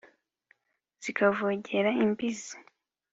Zikavogera imbizi